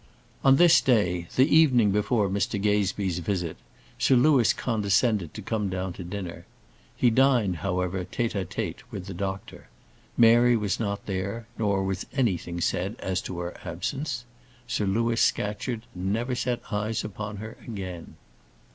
On this day, the evening before Mr Gazebee's visit, Sir Louis condescended to come down to dinner. He dined, however, tête à tête with the doctor. Mary was not there, nor was anything said as to her absence. Sir Louis Scatcherd never set eyes upon her again.